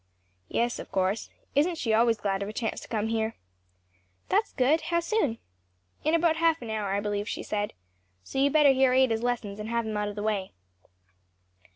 "Yes, of course; isn't she always glad of a chance to come here?" "That's good. How soon?" "In about half an hour, I believe she said. So you'd better hear Ada's lessons and have them out of the way."